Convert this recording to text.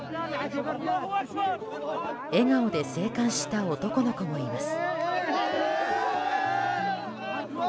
笑顔で生還した男の子もいます。